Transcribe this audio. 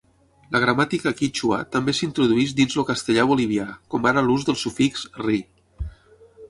La gramàtica quítxua també s'introdueix dins el castellà bolivià, com ara l'ús del sufix -ri.